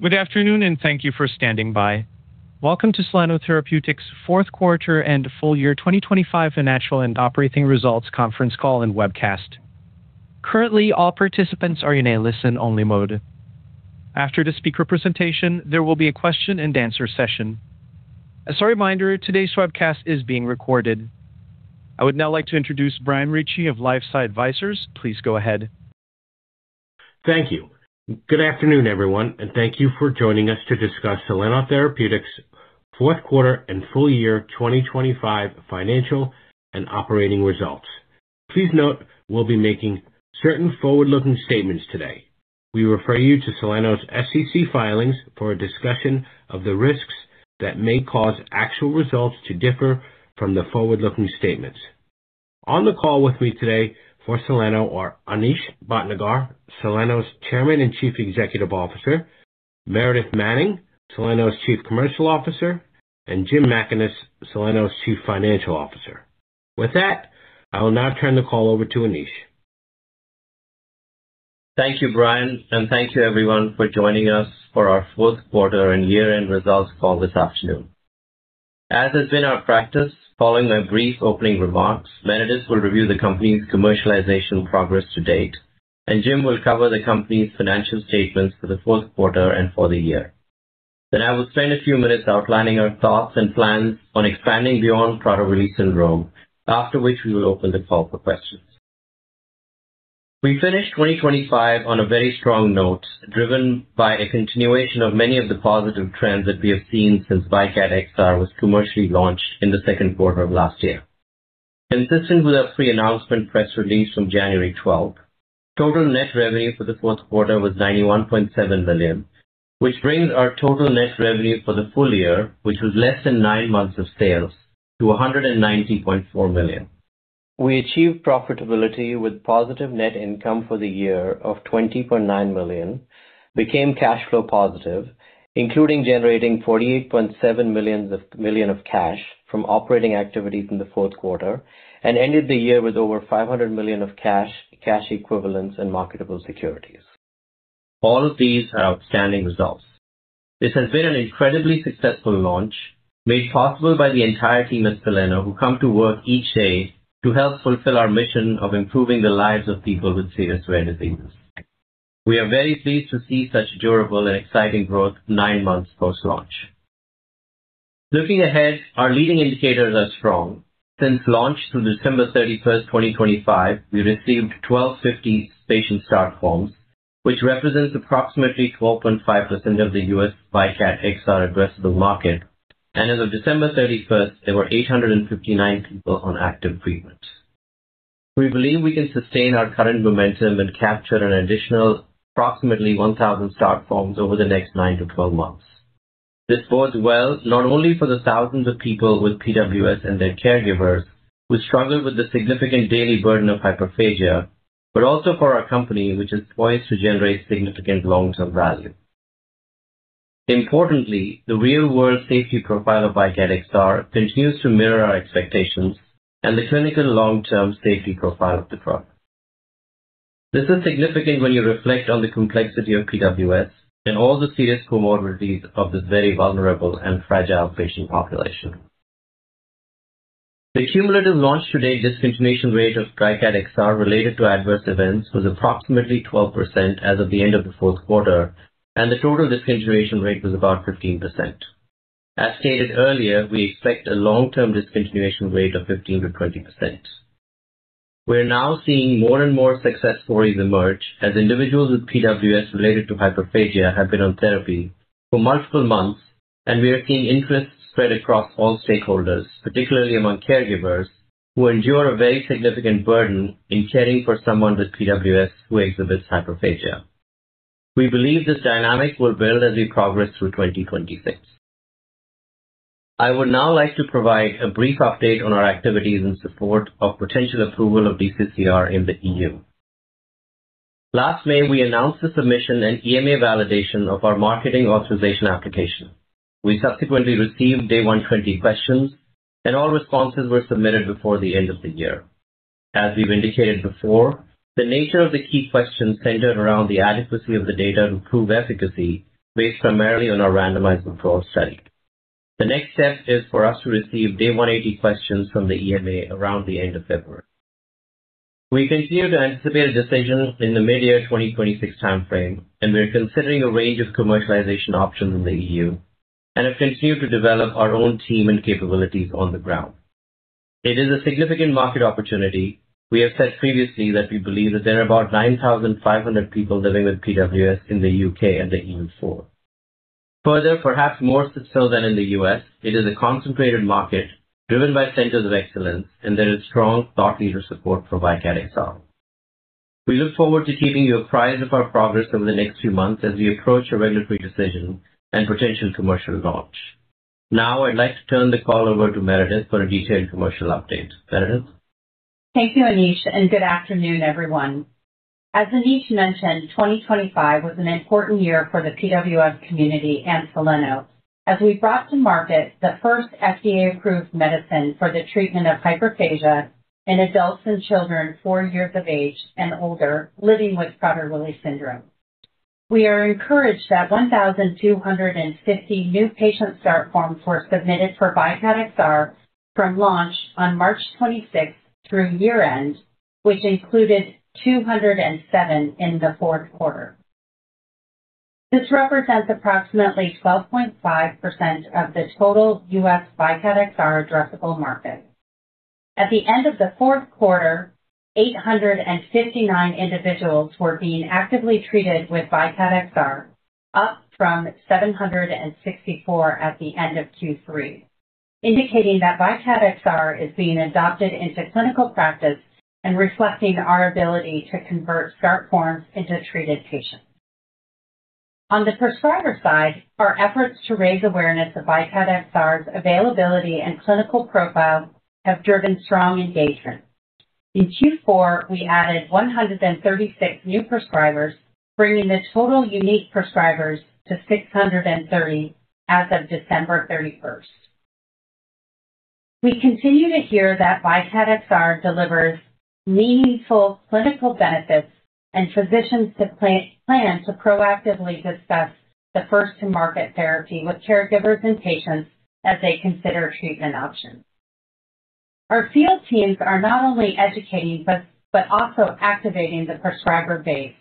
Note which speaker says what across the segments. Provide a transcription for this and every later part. Speaker 1: Good afternoon, thank you for standing by. Welcome to Soleno Therapeutics' fourth quarter and full-year 2025 financial and operating results conference call and webcast. Currently, all participants are in a listen-only mode. After the speaker presentation, there will be a question-and-answer session. As a reminder, today's webcast is being recorded. I would now like to introduce Brian Ritchie of LifeSci Advisors. Please go ahead.
Speaker 2: Thank you. Good afternoon, everyone, and thank you for joining us to discuss Soleno Therapeutics' fourth quarter and full-year 2025 financial and operating results. Please note, we'll be making certain forward-looking statements today. We refer you to Soleno's SEC filings for a discussion of the risks that may cause actual results to differ from the forward-looking statements. On the call with me today for Soleno are Anish Bhatnagar, Soleno's Chairman and Chief Executive Officer; Meredith Manning, Soleno's Chief Commercial Officer; and Jim Mackaness, Soleno's Chief Financial Officer. With that, I will now turn the call over to Anish.
Speaker 3: Thank you, Brian, thank you everyone for joining us for our fourth quarter and year-end results call this afternoon. As has been our practice, following my brief opening remarks, Meredith will review the company's commercialization progress to date, and Jim will cover the company's financial statements for the fourth quarter and for the year. I will spend a few minutes outlining our thoughts and plans on expanding beyond Prader-Willi syndrome, after which we will open the call for questions. We finished 2025 on a very strong note, driven by a continuation of many of the positive trends that we have seen since VYKAT XR was commercially launched in the second quarter of last year. Consistent with our pre-announcement press release from January 12th, total net revenue for the fourth quarter was $91.7 million, which brings our total net revenue for the full-year, which was less than nine months of sales, to $190.4 million. We achieved profitability with positive net income for the year of $20.9 million, became cash flow positive, including generating $48.7 million of cash from operating activities in the fourth quarter, and ended the year with over $500 million of cash equivalents, and marketable securities. All of these are outstanding results. This has been an incredibly successful launch, made possible by the entire team at Soleno, who come to work each day to help fulfill our mission of improving the lives of people with serious rare diseases. We are very pleased to see such durable and exciting growth nine months post-launch. Looking ahead, our leading indicators are strong. Since launch through December 31st, 2025, we received 1,250 patient start forms, which represents approximately 12.5% of the U.S. VYKAT XR addressable market, and as of December 31st, there were 859 people on active treatment. We believe we can sustain our current momentum and capture an additional approximately 1,000 start forms over the next nine to 12 months. This bodes well not only for the thousands of people with PWS and their caregivers, who struggle with the significant daily burden of hyperphagia, but also for our company, which is poised to generate significant long-term value. Importantly, the real-world safety profile of VYKAT XR continues to mirror our expectations and the clinical long-term safety profile of the product. This is significant when you reflect on the complexity of PWS and all the serious comorbidities of this very vulnerable and fragile patient population. The cumulative launch-to-date discontinuation rate of VYKAT XR related to adverse events was approximately 12% as of the end of the fourth quarter, and the total discontinuation rate was about 15%. As stated earlier, we expect a long-term discontinuation rate of 15%-20%. We're now seeing more and more success stories emerge as individuals with PWS related to hyperphagia have been on therapy for multiple months, and we are seeing interest spread across all stakeholders, particularly among caregivers, who endure a very significant burden in caring for someone with PWS who exhibits hyperphagia. We believe this dynamic will build as we progress through 2026. I would now like to provide a brief update on our activities in support of potential approval of DCCR in the EU. Last May, we announced the submission and EMA validation of our marketing authorisation application. We subsequently received Day 120 questions. All responses were submitted before the end of the year. As we've indicated before, the nature of the key questions centered around the adequacy of the data to prove efficacy, based primarily on our randomized control study. The next step is for us to receive Day 180 questions from the EMA around the end of February. We continue to anticipate a decision in the mid-year 2026 timeframe. We are considering a range of commercialization options in the EU and have continued to develop our own team and capabilities on the ground. It is a significant market opportunity. We have said previously that we believe that there are about 9,500 people living with PWS in the U.K. and the EU4. Further, perhaps more so than in the U.S., it is a concentrated market driven by centers of excellence, and there is strong thought leader support for VYKAT XR. We look forward to keeping you apprised of our progress over the next few months as we approach a regulatory decision and potential commercial launch. Now, I'd like to turn the call over to Meredith for a detailed commercial update. Meredith?
Speaker 4: Thank you, Anish. Good afternoon, everyone. As Anish mentioned, 2025 was an important year for the PWS community and Soleno.... as we brought to market the first FDA-approved medicine for the treatment of hyperphagia in adults and children four years of age and older, living with Prader-Willi syndrome. We are encouraged that 1,250 new patient start forms were submitted for VYKAT XR from launch on March 26th through year-end, which included 207 in the fourth quarter. This represents approximately 12.5% of the total U.S. VYKAT XR addressable market. At the end of the fourth quarter, 859 individuals were being actively treated with VYKAT XR, up from 764 at the end of Q3, indicating that VYKAT XR is being adopted into clinical practice and reflecting our ability to convert start forms into treated patients. On the prescriber side, our efforts to raise awareness of VYKAT XR's availability and clinical profile have driven strong engagement. In Q4, we added 136 new prescribers, bringing the total unique prescribers to 630 as of December 31st. We continue to hear that VYKAT XR delivers meaningful clinical benefits, physicians plan to proactively discuss the first to market therapy with caregivers and patients as they consider treatment options. Our field teams are not only educating but also activating the prescriber base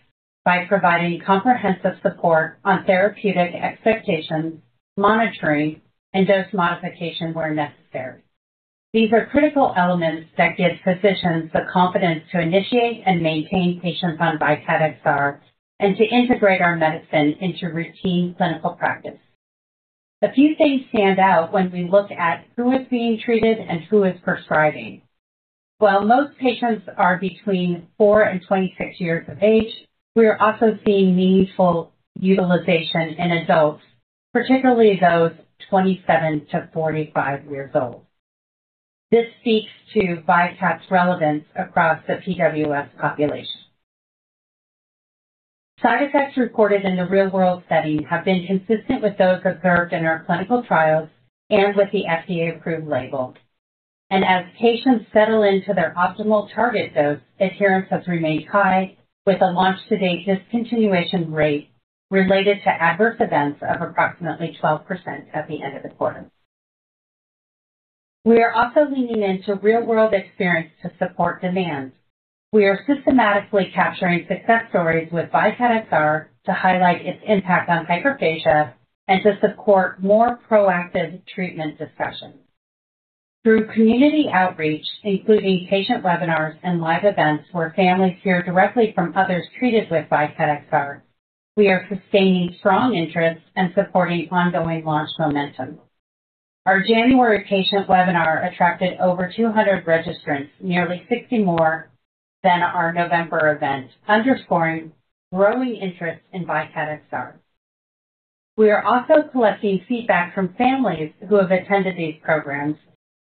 Speaker 4: by providing comprehensive support on therapeutic expectations, monitoring, and dose modification where necessary. These are critical elements that give physicians the confidence to initiate and maintain patients on VYKAT XR and to integrate our medicine into routine clinical practice. A few things stand out when we look at who is being treated and who is prescribing. While most patients are between four and 26 years of age, we are also seeing meaningful utilization in adults, particularly those 27 to 45 years old. This speaks to VYKAT's relevance across the PWS population. Side effects reported in the real-world setting have been consistent with those observed in our clinical trials and with the FDA-approved label. As patients settle into their optimal target dose, adherence has remained high, with a launch-to-date discontinuation rate related to adverse events of approximately 12% at the end of the quarter. We are also leaning into real-world experience to support demand. We are systematically capturing success stories with VYKAT XR to highlight its impact on hyperphagia and to support more proactive treatment discussions. Through community outreach, including patient webinars and live events where families hear directly from others treated with VYKAT XR, we are sustaining strong interest and supporting ongoing launch momentum. Our January patient webinar attracted over 200 registrants, nearly 60 more than our November event, underscoring growing interest in VYKAT XR. We are also collecting feedback from families who have attended these programs,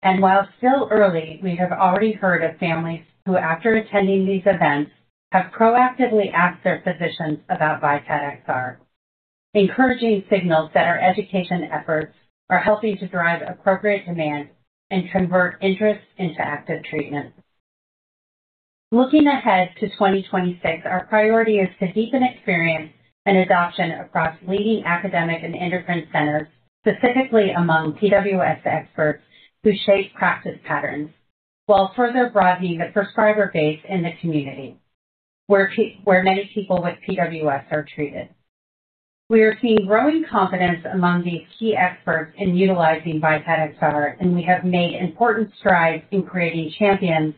Speaker 4: and while still early, we have already heard of families who, after attending these events, have proactively asked their physicians about VYKAT XR, encouraging signals that our education efforts are helping to drive appropriate demand and convert interest into active treatment. Looking ahead to 2026, our priority is to deepen experience and adoption across leading academic and endocrine centers, specifically among PWS experts who shape practice patterns, while further broadening the prescriber base in the community, where many people with PWS are treated. We are seeing growing confidence among these key experts in utilizing VYKAT XR, and we have made important strides in creating champions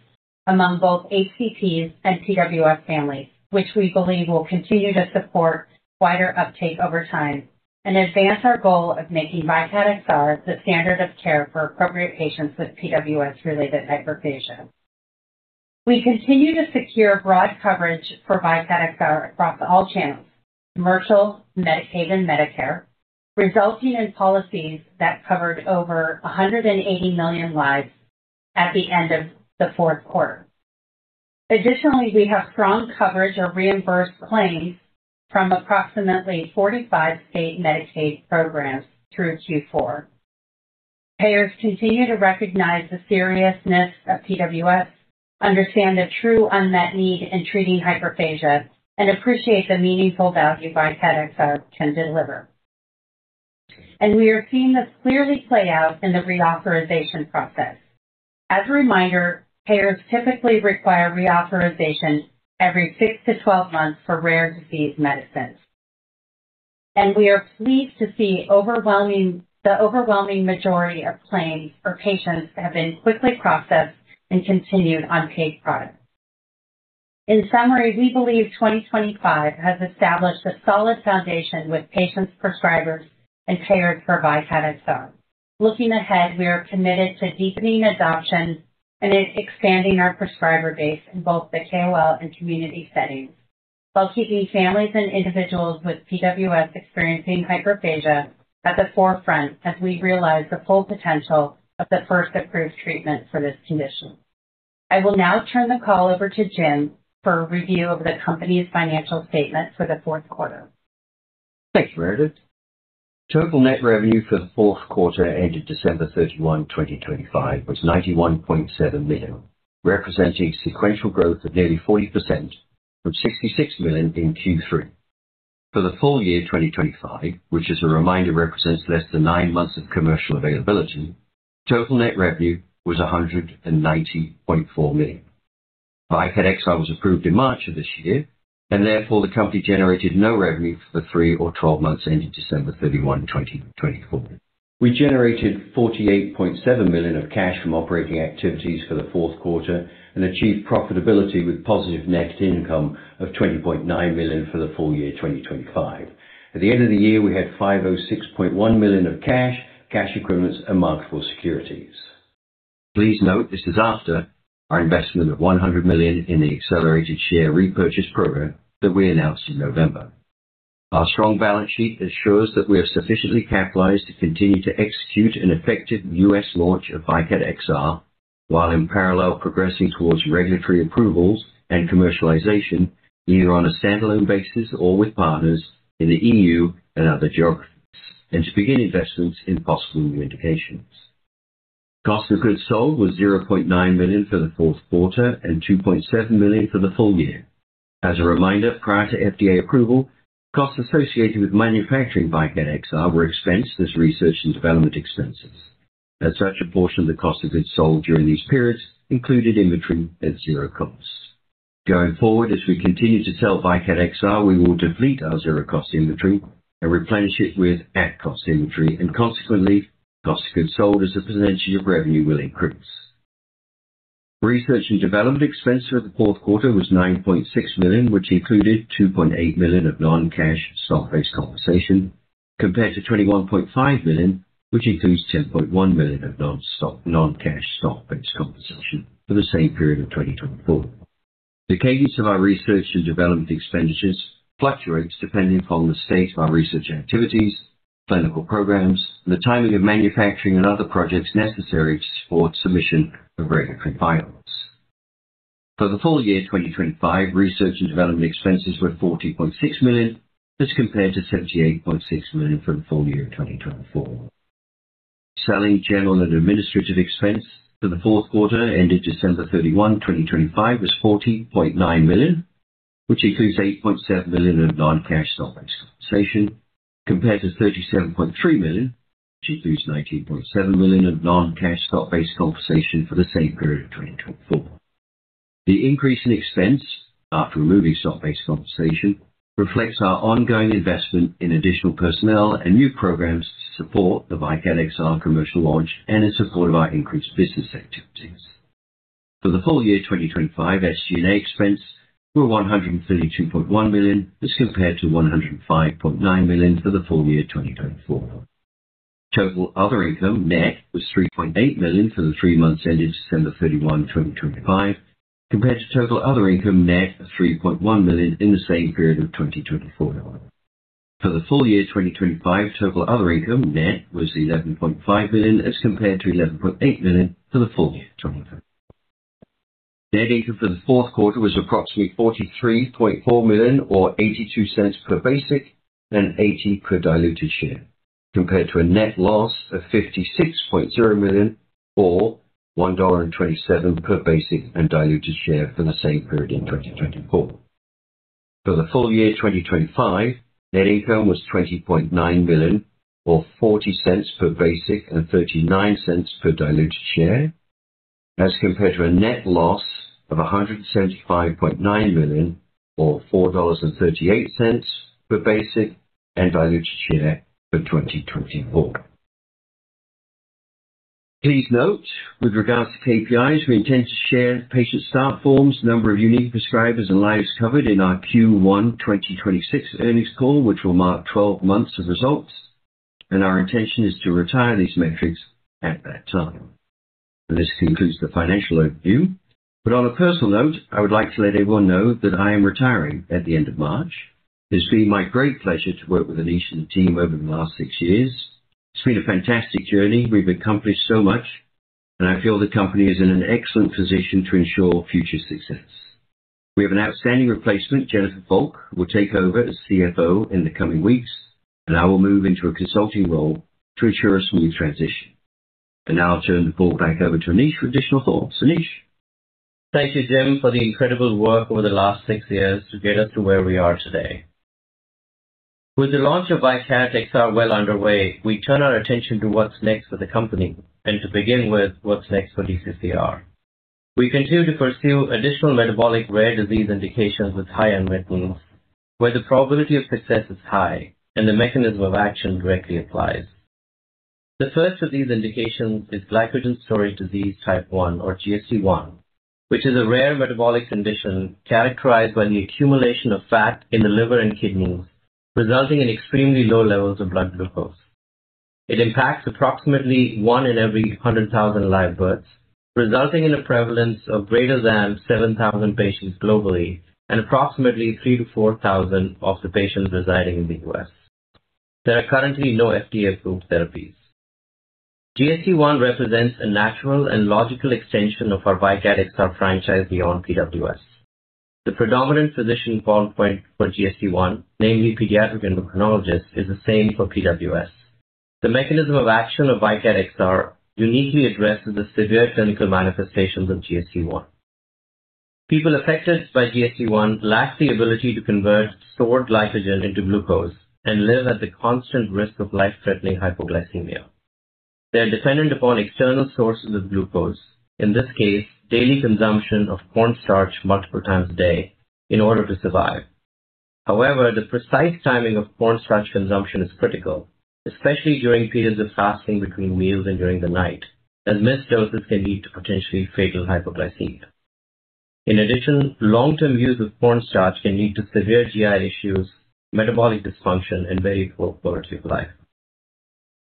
Speaker 4: among both HCPs and PWS families, which we believe will continue to support wider uptake over time and advance our goal of making VYKAT XR the standard of care for appropriate patients with PWS-related hyperphagia. We continue to secure broad coverage for VYKAT XR across all channels, commercial, Medicaid, and Medicare, resulting in policies that covered over 180 million lives at the end of the fourth quarter. Additionally, we have strong coverage or reimbursed claims from approximately 45 state Medicaid programs through Q4. Payers continue to recognize the seriousness of PWS, understand the true unmet need in treating hyperphagia, and appreciate the meaningful value VYKAT XR can deliver. We are seeing this clearly play out in the reauthorization process. As a reminder, payers typically require reauthorization every six to 12 months for rare disease medicines. We are pleased to see the overwhelming majority of claims for patients have been quickly processed and continued on paid products. In summary, we believe 2025 has established a solid foundation with patients, prescribers, and payers for VYKAT XR. Looking ahead, we are committed to deepening adoption and expanding our prescriber base in both the KOL and community settings, while keeping families and individuals with PWS experiencing hyperphagia at the forefront as we realize the full potential of the first approved treatment for this condition. I will now turn the call over to Jim for a review of the company's financial statement for the fourth quarter.
Speaker 5: Thank you, Meredith. Total net revenue for the fourth quarter ended December 31, 2025, was $91.7 million, representing sequential growth of nearly 40% from $66 million in Q3. For the full-year 2025, which as a reminder, represents less than nine months of commercial availability, total net revenue was $190.4 million. VYKAT XR was approved in March of this year, and therefore the company generated no revenue for the three or 12 months ending December 31, 2024. We generated $48.7 million of cash from operating activities for the fourth quarter and achieved profitability with positive net income of $20.9 million for the full-year 2025. At the end of the year, we had $506.1 million of cash equivalents, and marketable securities. Please note, this is after our investment of $100 million in the accelerated share repurchase program that we announced in November. Our strong balance sheet ensures that we are sufficiently capitalized to continue to execute an effective U.S. launch of VYKAT XR, while in parallel progressing towards regulatory approvals and commercialization, either on a standalone basis or with partners in the EU and other geographies, and to begin investments in possible new indications. Cost of goods sold was $0.9 million for the fourth quarter and $2.7 million for the full-year. As a reminder, prior to FDA approval, costs associated with manufacturing VYKAT XR were expensed as research and development expenses. As such, a portion of the cost of goods sold during these periods included inventory at $0 cost. Going forward, as we continue to sell VYKAT XR, we will deplete our zero-cost inventory and replenish it with at-cost inventory. Consequently, cost of goods sold as a percent of revenue will increase. Research and development expense for the fourth quarter was $9.6 million, which included $2.8 million of non-cash stock-based compensation, compared to $21.5 million, which includes $10.1 million of non-stock, non-cash stock-based compensation for the same period of 2024. The cadence of our research and development expenditures fluctuates depending upon the state of our research activities, clinical programs, the timing of manufacturing and other projects necessary to support submission of regulatory filings. For the full-year 2025, research and development expenses were $40.6 million, as compared to $78.6 million for the full-year 2024. Selling, general, and administrative expense for the fourth quarter ended December 31, 2025, was $40.9 million, which includes $8.7 million of non-cash stock-based compensation, compared to $37.3 million, which includes $19.7 million of non-cash stock-based compensation for the same period of 2024. The increase in expense, after removing stock-based compensation, reflects our ongoing investment in additional personnel and new programs to support the VYKAT XR commercial launch and in support of our increased business activities. For the full-year 2025, SG&A expense were $132.1 million, as compared to $105.9 million for the full-year 2024. Total other income net was $3.8 million for the three months ending December 31, 2025, compared to total other income net of $3.1 million in the same period of 2024. For the full-year 2025, total other income net was $11.5 million, as compared to $11.8 million for the full-year 2024. Net income for the fourth quarter was approximately $43.4 million, or $0.82 per basic and $0.80 per diluted share, compared to a net loss of $56.0 million, or $1.27 per basic and diluted share for the same period in 2024. For the full-year 2025, net income was $20.9 million, or $0.40 per basic and $0.39 per diluted share, as compared to a net loss of $175.9 million, or $4.38 per basic and diluted share for 2024. Please note, with regards to KPIs, we intend to share patient start forms, number of unique prescribers, and lives covered in our Q1 2026 earnings call, which will mark 12 months of results, and our intention is to retire these metrics at that time. This concludes the financial overview. On a personal note, I would like to let everyone know that I am retiring at the end of March. It's been my great pleasure to work with Anish and the team over the last six years. It's been a fantastic journey. We've accomplished so much, and I feel the company is in an excellent position to ensure future success. We have an outstanding replacement, Jennifer Volk, who will take over as CFO in the coming weeks, and I will move into a consulting role to ensure a smooth transition. Now I'll turn the call back over to Anish for additional thoughts. Anish?
Speaker 3: Thank you, Jim, for the incredible work over the last six years to get us to where we are today. With the launch of VYKAT XR well underway, we turn our attention to what's next for the company, and to begin with, what's next for DCCR. We continue to pursue additional metabolic rare disease indications with high unmet needs, where the probability of success is high and the mechanism of action directly applies. The first of these indications is Glycogen Storage Disease Type I, or GSD I, which is a rare metabolic condition characterized by the accumulation of fat in the liver and kidneys, resulting in extremely low levels of blood glucose. It impacts approximately one in every 100,000 live births, resulting in a prevalence of greater than 7,000 patients globally and approximately 3,000-4,000 of the patients residing in the U.S. There are currently no FDA-approved therapies. GSD I represents a natural and logical extension of our VYKAT XR franchise beyond PWS. The predominant physician ballpark for GSD I, namely pediatric endocrinologist, is the same for PWS. The mechanism of action of VYKAT XR are uniquely addresses the severe clinical manifestations of GSD I. People affected by GSD I lack the ability to convert stored glycogen into glucose and live at the constant risk of life-threatening hypoglycemia. They are dependent upon external sources of glucose, in this case, daily consumption of cornstarch multiple times a day in order to survive. The precise timing of cornstarch consumption is critical, especially during periods of fasting between meals and during the night, as missed doses can lead to potentially fatal hypoglycemia. Long-term use of cornstarch can lead to severe GI issues, metabolic dysfunction, and very poor quality of life.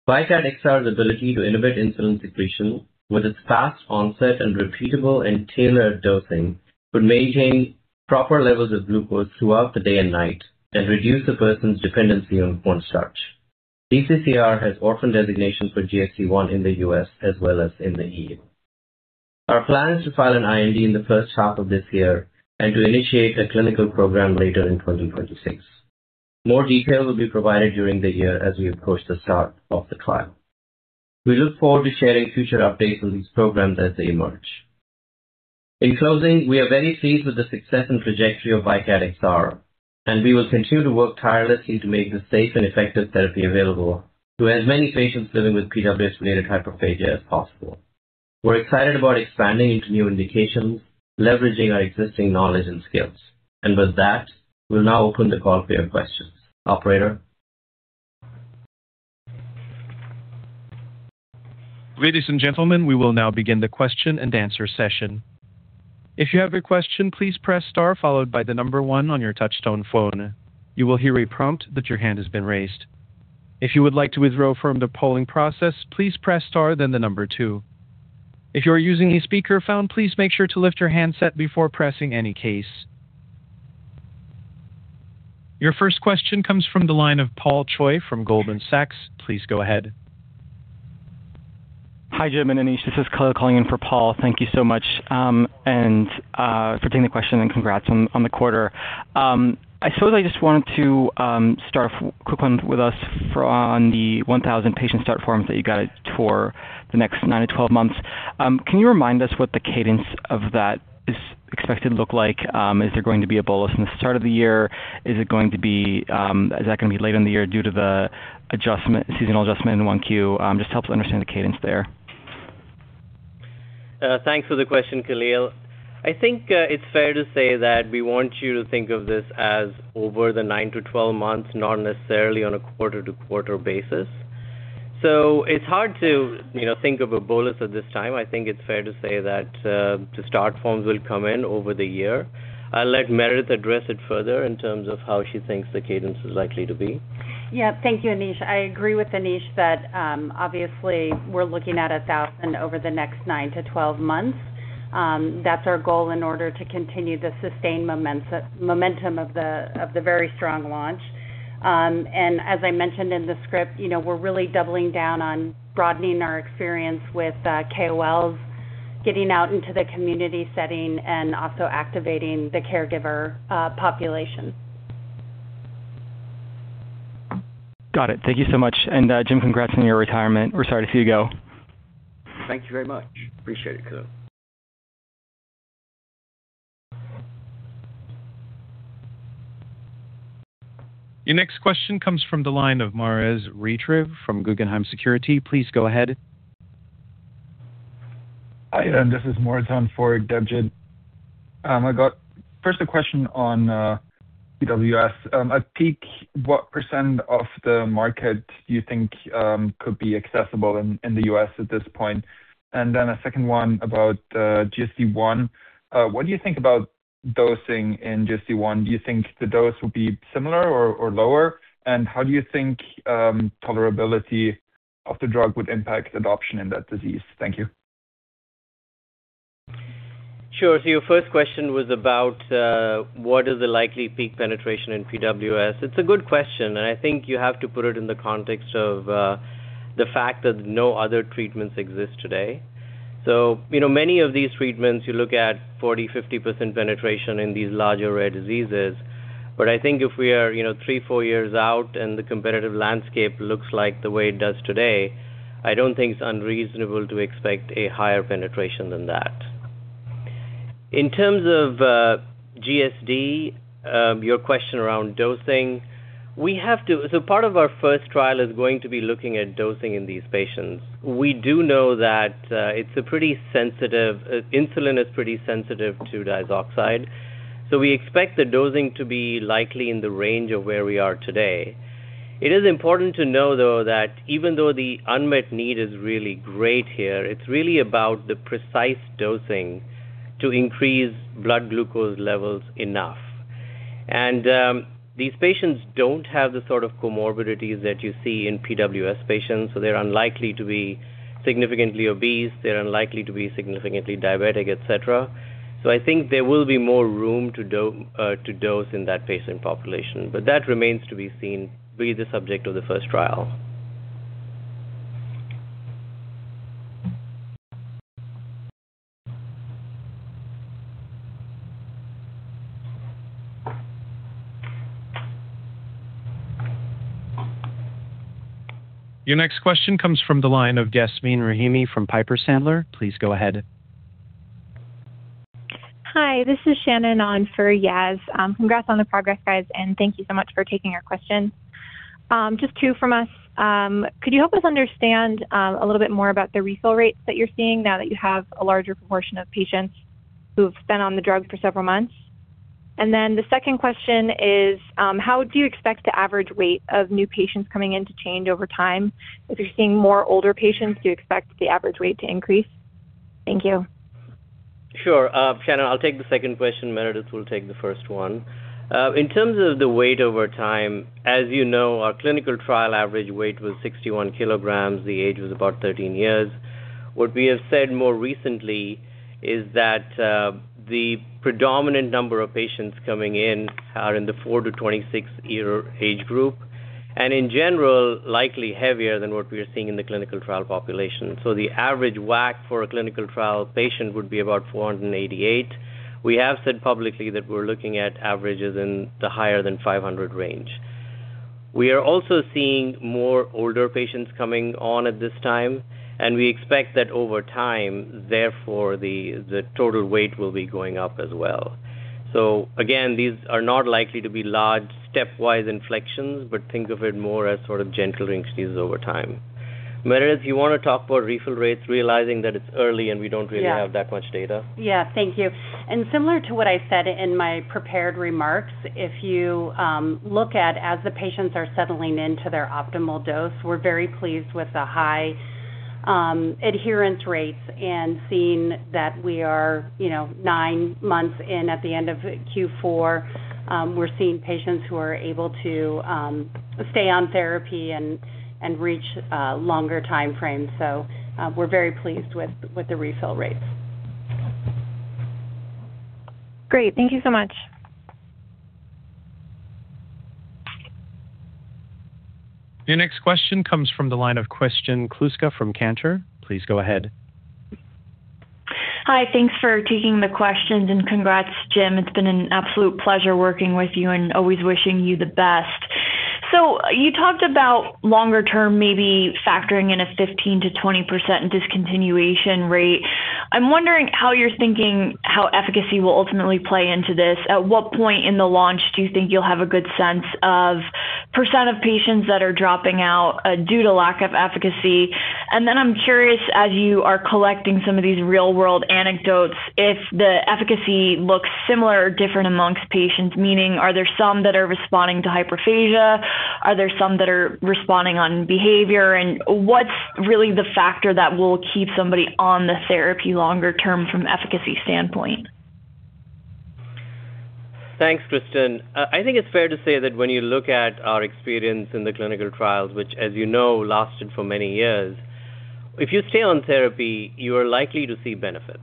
Speaker 3: VYKAT XR's ability to innovate insulin secretion with its fast onset and repeatable and tailored dosing, could maintain proper levels of glucose throughout the day and night and reduce the person's dependency on cornstarch. DCCR has orphan designation for GSD I in the U.S. as well as in the EU. Our plan is to file an IND in the first half of this year and to initiate a clinical program later in 2026. More detail will be provided during the year as we approach the start of the trial. We look forward to sharing future updates on these programs as they emerge. In closing, we are very pleased with the success and trajectory of VYKAT XR, and we will continue to work tirelessly to make this safe and effective therapy available to as many patients living with PWS-related hyperphagia as possible. We're excited about expanding into new indications, leveraging our existing knowledge and skills. With that, we'll now open the call for your questions. Operator?
Speaker 1: Ladies and gentlemen, we will now begin the question and answer session. If you have a question, please press star followed by the number one on your touchtone phone. You will hear a prompt that your hand has been raised. If you would like to withdraw from the polling process, please press star, then the number two. If you are using a speakerphone, please make sure to lift your handset before pressing any keys. Your first question comes from the line of Paul Choi from Goldman Sachs. Please go ahead.
Speaker 6: Hi, Jim and Anish. This is Khalil calling in for Paul. Thank you so much for taking the question, and congrats on the quarter. I supposedly just wanted to start quick one with us for on the 1,000 patient start forms that you got for the next nine to 12 months. Can you remind us what the cadence of that is expected to look like? Is there going to be a bolus in the start of the year? Is that going to be later in the year due to the adjustment, seasonal adjustment in 1Q? Just to help to understand the cadence there.
Speaker 3: Thanks for the question, Khalil. I think it's fair to say that we want you to think of this as over the nine to 12 months, not necessarily on a quarter-to-quarter basis. It's hard to, you know, think of a bolus at this time. I think it's fair to say that the start forms will come in over the year. I'll let Meredith address it further in terms of how she thinks the cadence is likely to be.
Speaker 4: Yeah. Thank you, Anish. I agree with Anish that, obviously we're looking at 1,000 over the next nine to 12 months. That's our goal in order to continue to sustain momentum of the very strong launch. As I mentioned in the script, you know, we're really doubling down on broadening our experience with KOLs, getting out into the community setting, and also activating the caregiver population.
Speaker 6: Got it. Thank you so much. Jim, congrats on your retirement. We're sorry to see you go.
Speaker 5: Thank you very much. Appreciate it, Khalil.
Speaker 1: Your next question comes from the line of Moritz Reiterer from Guggenheim Securities. Please go ahead.
Speaker 7: Hi, this is Moritz on for Debjit. I got first a question on PWS. At peak, what percent of the market do you think could be accessible in the U.S. at this point? A second one about GSD I. What do you think about dosing in GSD I? Do you think the dose will be similar or lower? How do you think tolerability of the drug would impact adoption in that disease? Thank you.
Speaker 3: Sure. Your first question was about what is the likely peak penetration in PWS? It's a good question, I think you have to put it in the context of the fact that no other treatments exist today. You know, many of these treatments, you look at 40%, 50% penetration in these larger rare diseases. I think if we are, you know, three, four years out and the competitive landscape looks like the way it does today, I don't think it's unreasonable to expect a higher penetration than that. In terms of GSD, your question around dosing. Part of our first trial is going to be looking at dosing in these patients. We do know that it's a pretty sensitive... Insulin is pretty sensitive to diazoxide, so we expect the dosing to be likely in the range of where we are today. It is important to know, though, that even though the unmet need is really great here, it's really about the precise dosing to increase blood glucose levels enough. These patients don't have the sort of comorbidities that you see in PWS patients, so they're unlikely to be significantly obese, they're unlikely to be significantly diabetic, et cetera. I think there will be more room to do to dose in that patient population, but that remains to be seen, be the subject of the first trial.
Speaker 1: Your next question comes from the line of Yasmeen Rahimi from Piper Sandler. Please go ahead.
Speaker 8: Hi, this is Shannon on for Yas. Congrats on the progress, guys, and thank you so much for taking our question. Just two from us. Could you help us understand a little bit more about the refill rates that you're seeing now that you have a larger proportion of patients who have been on the drug for several months? The second question is, how do you expect the average weight of new patients coming in to change over time? If you're seeing more older patients, do you expect the average weight to increase? Thank you.
Speaker 3: Sure. Shannon, I'll take the second question, Meredith will take the first one. In terms of the weight over time, as you know, our clinical trial average weight was 61 kg. The age was about 13 years. What we have said more recently is that, the predominant number of patients coming in are in the four to 26 year age group, and in general, likely heavier than what we are seeing in the clinical trial population. The average WAC for a clinical trial patient would be about $488. We have said publicly that we're looking at averages in the higher than $500 range. We are also seeing more older patients coming on at this time, and we expect that over time, therefore, the total weight will be going up as well. Again, these are not likely to be large stepwise inflections, but think of it more as sort of gentle increases over time. Meredith, you want to talk about refill rates, realizing that it's early and we don't really.
Speaker 4: Yeah.
Speaker 3: have that much data?
Speaker 4: Yeah. Thank you. Similar to what I said in my prepared remarks, if you, look at, as the patients are settling into their optimal dose, we're very pleased with the high, adherence rates and seeing that we are, you know, nine months in, at the end of Q4, we're seeing patients who are able to, stay on therapy and reach, longer time frames. We're very pleased with the refill rates.
Speaker 8: Great. Thank you so much.
Speaker 2: Your next question comes from the line of Kristen Kluska from Cantor. Please go ahead.
Speaker 9: Hi, thanks for taking the questions, and congrats, Jim. It's been an absolute pleasure working with you and always wishing you the best. You talked about longer term, maybe factoring in a 15%-20% discontinuation rate. I'm wondering how you're thinking, how efficacy will ultimately play into this. At what point in the launch do you think you'll have a good sense of percent of patients that are dropping out due to lack of efficacy? Then I'm curious, as you are collecting some of these real-world anecdotes, if the efficacy looks similar or different amongst patients, meaning, are there some that are responding to hyperphagia? Are there some that are responding on behavior? What's really the factor that will keep somebody on the therapy longer term from efficacy standpoint?
Speaker 3: Thanks, Kristen. I think it's fair to say that when you look at our experience in the clinical trials, which, as you know, lasted for many years, if you stay on therapy, you are likely to see benefits.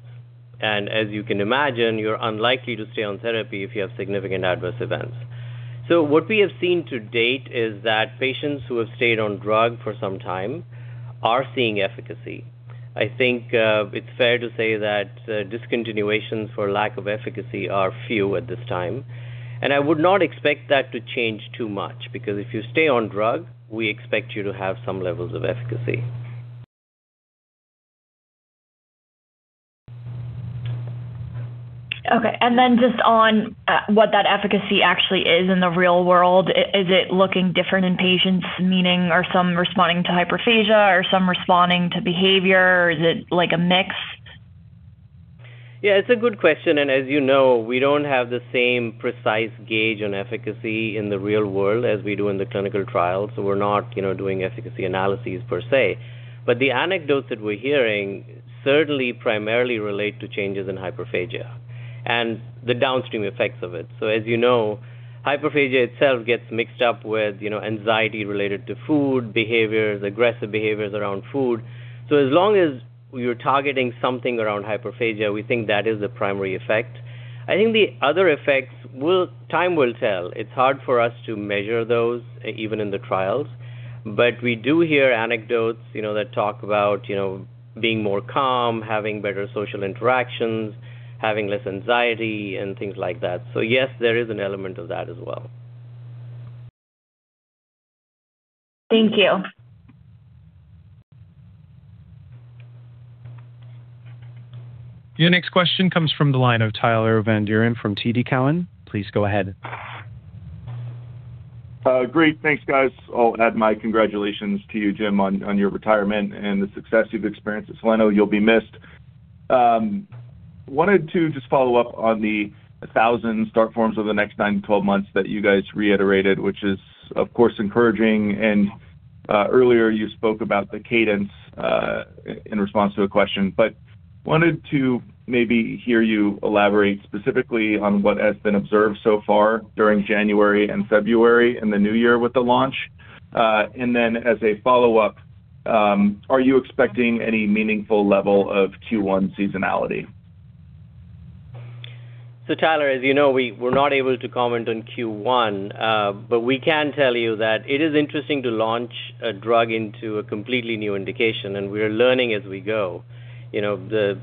Speaker 3: As you can imagine, you're unlikely to stay on therapy if you have significant adverse events. What we have seen to date is that patients who have stayed on drug for some time are seeing efficacy. I think it's fair to say that discontinuations for lack of efficacy are few at this time, and I would not expect that to change too much, because if you stay on drug, we expect you to have some levels of efficacy.
Speaker 9: Okay. Just on what that efficacy actually is in the real world, is it looking different in patients? Meaning, are some responding to hyperphagia or are some responding to behavior? Is it like a mix?
Speaker 3: Yeah, it's a good question. As you know, we don't have the same precise gauge on efficacy in the real world as we do in the clinical trials. We're not, you know, doing efficacy analyses per se. The anecdotes that we're hearing certainly primarily relate to changes in hyperphagia and the downstream effects of it. As you know, hyperphagia itself gets mixed up with, you know, anxiety related to food, behaviors, aggressive behaviors around food. As long as you're targeting something around hyperphagia, we think that is the primary effect. I think the other effects will. Time will tell. It's hard for us to measure those, even in the trials. We do hear anecdotes, you know, that talk about, you know, being more calm, having better social interactions, having less anxiety, and things like that. Yes, there is an element of that as well.
Speaker 9: Thank you.
Speaker 1: Your next question comes from the line of Tyler Van Buren from TD Cowen. Please go ahead.
Speaker 10: Great. Thanks, guys. I'll add my congratulations to you, Jim, on your retirement and the success you've experienced at Soleno. You'll be missed. Wanted to just follow up on the 1,000 start forms over the next nine to 12 months that you guys reiterated, which is, of course, encouraging. Earlier you spoke about the cadence, in response to a question, but wanted to maybe hear you elaborate specifically on what has been observed so far during January and February in the new year with the launch. Then as a follow-up, are you expecting any meaningful level of Q1 seasonality?
Speaker 3: Tyler, as you know, we're not able to comment on Q1, but we can tell you that it is interesting to launch a drug into a completely new indication. We are learning as we go. You know, the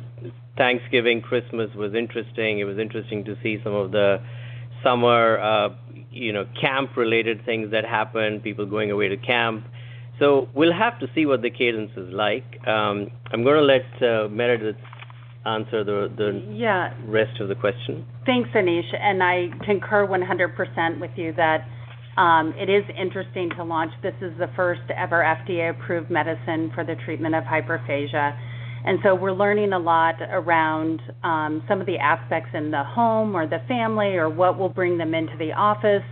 Speaker 3: Thanksgiving, Christmas was interesting. It was interesting to see some of the summer, you know, camp-related things that happened, people going away to camp. We'll have to see what the cadence is like. I'm going to let Meredith answer the.
Speaker 4: Yeah.
Speaker 3: rest of the question.
Speaker 4: Thanks, Anish, I concur 100% with you that it is interesting to launch. This is the first-ever FDA-approved medicine for the treatment of hyperphagia. We're learning a lot around some of the aspects in the home, or the family, or what will bring them into the office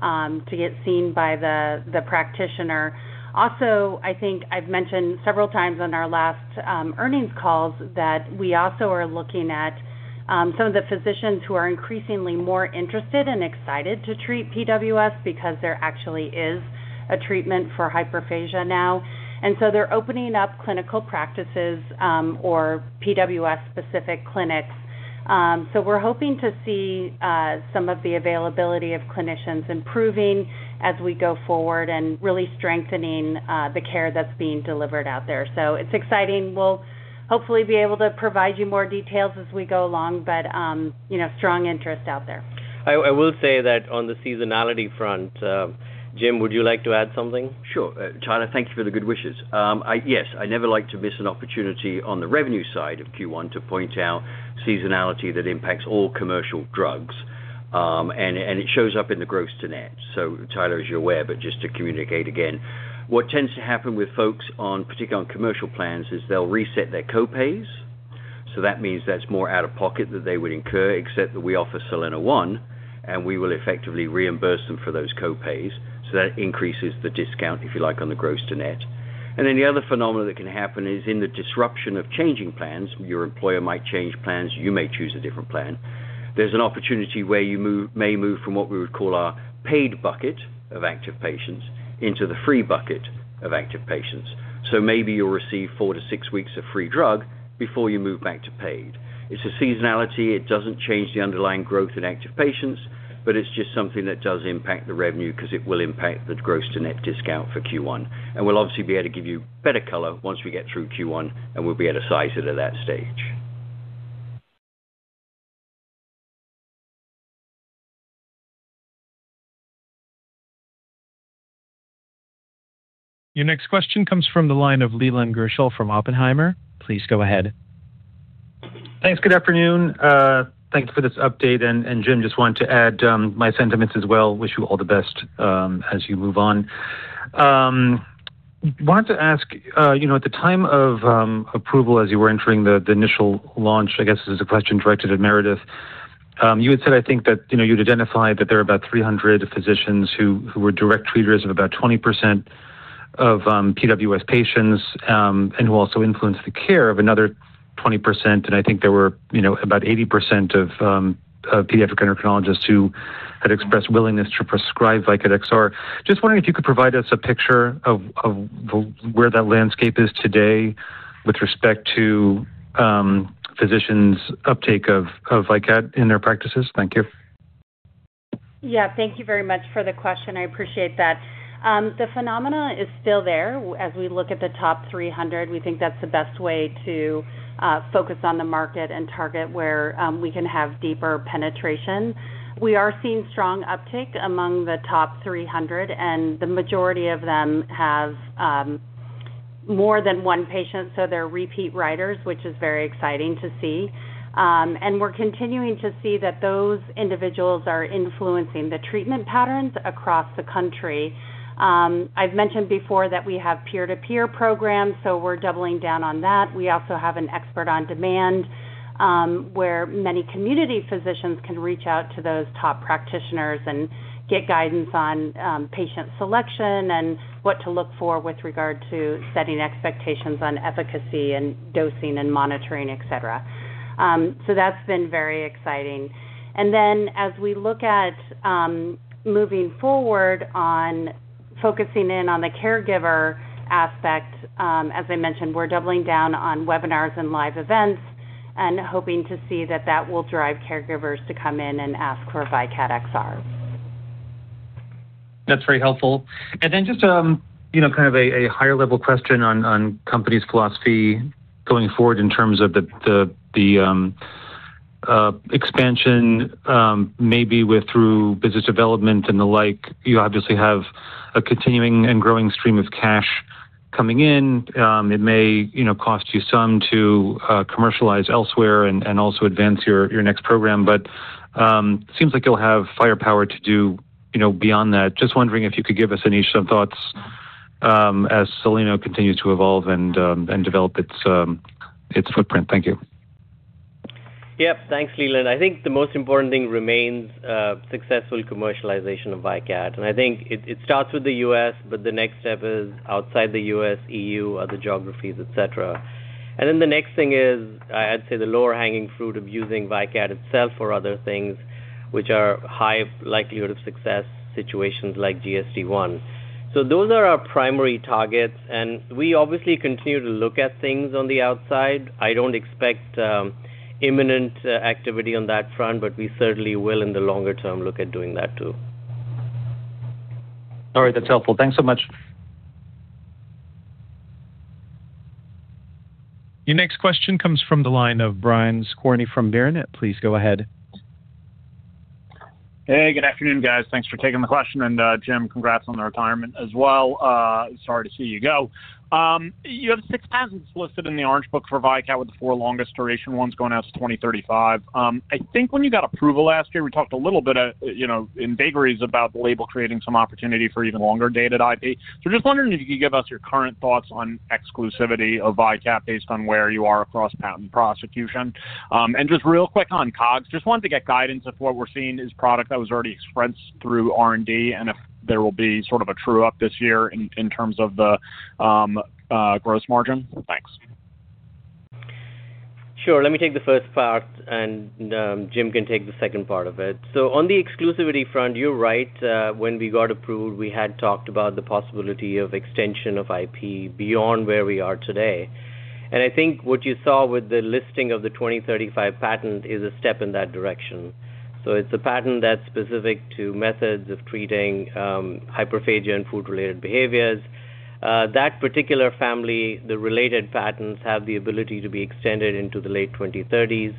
Speaker 4: to get seen by the practitioner. Also, I think I've mentioned several times on our last earnings calls that we also are looking at some of the physicians who are increasingly more interested and excited to treat PWS because there actually is a treatment for hyperphagia now. They're opening up clinical practices or PWS-specific clinics. We're hoping to see some of the availability of clinicians improving as we go forward and really strengthening the care that's being delivered out there. It's exciting. We'll hopefully be able to provide you more details as we go along, but, you know, strong interest out there.
Speaker 3: I will say that on the seasonality front, Jim, would you like to add something?
Speaker 5: Sure. Tyler, thank you for the good wishes. Yes, I never like to miss an opportunity on the revenue side of Q1 to point out seasonality that impacts all commercial drugs. It shows up in the gross to net. Tyler, as you're aware, but just to communicate again, what tends to happen with folks on, particularly on commercial plans, is they'll reset their copays. That means that's more out-of-pocket that they would incur, except that we offer Soleno One, and we will effectively reimburse them for those copays, so that increases the discount, if you like, on the gross to net. The other phenomenon that can happen is in the disruption of changing plans. Your employer might change plans, you may choose a different plan. There's an opportunity where may move from what we would call our paid bucket of active patients into the free bucket of active patients. Maybe you'll receive four to six weeks of free drug before you move back to paid. It's a seasonality. It doesn't change the underlying growth in active patients, it's just something that does impact the revenue because it will impact the gross to net discount for Q1. We'll obviously be able to give you better color once we get through Q1, and we'll be able to size it at that stage.
Speaker 1: Your next question comes from the line of Leland Gershell from Oppenheimer. Please go ahead.
Speaker 11: Thanks. Good afternoon. Thanks for this update, and Jim, just want to add my sentiments as well. Wish you all the best as you move on. Wanted to ask, you know, at the time of approval, as you were entering the initial launch, I guess this is a question directed at Meredith. You had said, I think, that, you know, you'd identified that there are about 300 physicians who were direct treaters of about 20% of PWS patients, and who also influenced the care of another 20%, and I think there were, you know, about 80% of pediatric endocrinologists who had expressed willingness to prescribe VYKAT XR. Just wondering if you could provide us a picture of the, where that landscape is today with respect to physicians' uptake of VYKAT in their practices? Thank you.
Speaker 4: Yeah, thank you very much for the question. I appreciate that. The phenomena is still there. As we look at the top 300, we think that's the best way to focus on the market and target where we can have deeper penetration. We are seeing strong uptick among the top 300, and the majority of them have more than one patient, so they're repeat writers, which is very exciting to see. And we're continuing to see that those individuals are influencing the treatment patterns across the country. I've mentioned before that we have peer-to-peer programs, so we're doubling down on that. We also have an expert on demand, where many community physicians can reach out to those top practitioners and get guidance on patient selection and what to look for with regard to setting expectations on efficacy and dosing and monitoring, et cetera. That's been very exciting. As we look at moving forward on focusing in on the caregiver aspect, as I mentioned, we're doubling down on webinars and live events and hoping to see that that will drive caregivers to come in and ask for VYKAT XR.
Speaker 11: Then just, you know, kind of a higher level question on company's philosophy going forward in terms of the expansion, maybe through business development and the like. You obviously have a continuing and growing stream of cash coming in. It may, you know, cost you some to commercialize elsewhere and also advance your next program, but seems like you'll have firepower to do, you know, beyond that. Just wondering if you could give us any some thoughts as Soleno continues to evolve and develop its footprint. Thank you.
Speaker 3: Yep. Thanks, Leland. I think the most important thing remains successful commercialization of VYKAT. I think it starts with the U.S., but the next step is outside the U.S., EU, other geographies, et cetera. The next thing is, I'd say, the lower-hanging fruit of using VYKAT itself for other things, which are high likelihood of success situations like GSD I. Those are our primary targets, and we obviously continue to look at things on the outside. I don't expect imminent activity on that front, but we certainly will, in the longer term, look at doing that too.
Speaker 11: All right, that's helpful. Thanks so much.
Speaker 1: Your next question comes from the line of Brian Skorney from Baird. Please go ahead.
Speaker 12: Hey, good afternoon, guys. Thanks for taking the question, and Jim, congrats on the retirement as well. Sorry to see you go. You have six patents listed in the Orange Book for VYKAT XR, with the four longest duration ones going out to 2035. I think when you got approval last year, we talked a little bit, you know, in vagaries about the label creating some opportunity for even longer dated IP. Just wondering if you could give us your current thoughts on exclusivity of VYKAT XR based on where you are across patent prosecution. Just real quick on COGS, just wanted to get guidance if what we're seeing is product that was already expressed through R&D and if there will be sort of a true-up this year in terms of the gross margin. Thanks.
Speaker 3: Sure. Let me take the first part, Jim can take the second part of it. On the exclusivity front, you're right. When we got approved, we had talked about the possibility of extension of IP beyond where we are today. I think what you saw with the listing of the 2035 patent is a step in that direction. It's a patent that's specific to methods of treating hyperphagia and food-related behaviors. That particular family, the related patents, have the ability to be extended into the late 2030s.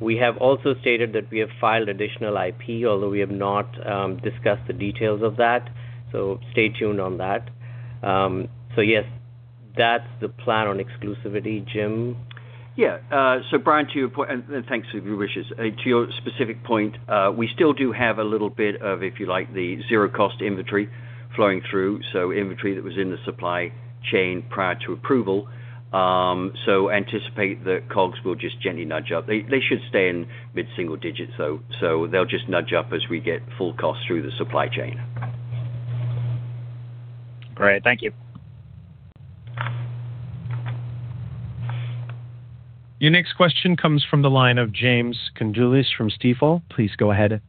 Speaker 3: We have also stated that we have filed additional IP, although we have not discussed the details of that. Stay tuned on that. Yes, that's the plan on exclusivity. Jim?
Speaker 5: Brian, to your point, and thanks for your wishes. To your specific point, we still do have a little bit of, if you like, the zero-cost inventory flowing through, so inventory that was in the supply chain prior to approval. Anticipate that COGS will just gently nudge up. They should stay in mid-single digits, though, so they'll just nudge up as we get full cost through the supply chain.
Speaker 12: Great. Thank you.
Speaker 1: Your next question comes from the line of James Condulis from Stifel. Please go ahead.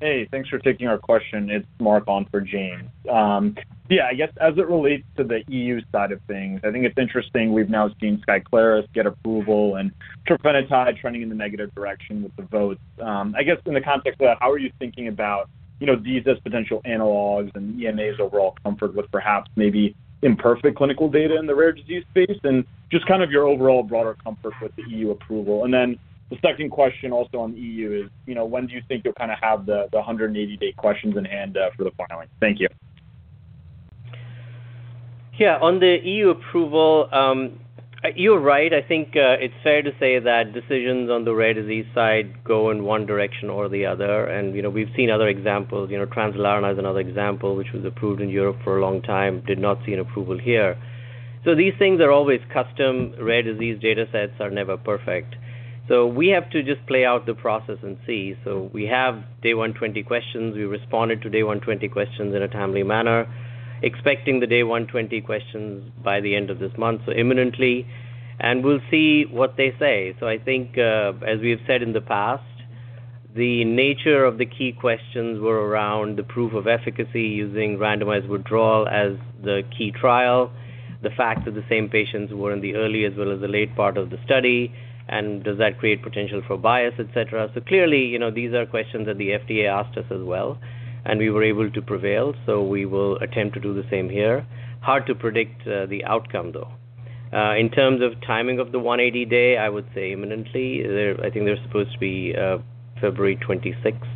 Speaker 13: Hey, thanks for taking our question. It's Mark on for James. Yeah, I guess as it relates to the EU side of things, I think it's interesting, we've now seen Skyclarys get approval and trofinetide trending in the negative direction with the votes. I guess in the context of that, how are you thinking about, you know, these as potential analogs and EMA's overall comfort with perhaps maybe imperfect clinical data in the rare disease space? Just kind of your overall broader comfort with the EU approval. The second question also on EU is, you know, when do you think you'll kinda have the 180-day questions in hand for the filing? Thank you.
Speaker 3: Yeah. On the EU approval, you're right. I think it's fair to say that decisions on the rare disease side go in one direction or the other, and you know, we've seen other examples. You know, Translarna is another example, which was approved in Europe for a long time, did not see an approval here. These things are always custom. Rare disease datasets are never perfect. We have to just play out the process and see. We have day 120 questions. We responded to day 120 questions in a timely manner, expecting the day 120 questions by the end of this month, so imminently, and we'll see what they say. I think, as we have said in the past, the nature of the key questions were around the proof of efficacy using randomized withdrawal as the key trial, the fact that the same patients were in the early as well as the late part of the study, and does that create potential for bias, et cetera. Clearly, you know, these are questions that the FDA asked us as well, and we were able to prevail, so we will attempt to do the same here. Hard to predict the outcome, though. In terms of timing of the 180-day, I would say imminently. I think they're supposed to be February 26th.